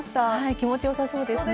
気持ちよさそうですね。